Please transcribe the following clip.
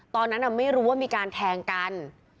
ตอนนั้นไม่รู้ว่ามีการแทงกัน